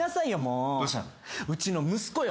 うちの息子よ。